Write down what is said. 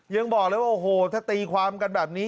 ยังบอกเลยว่าโอ้โหถ้าตีความกันแบบนี้